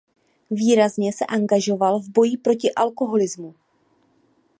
Výrazně se angažoval v boji proti alkoholismu.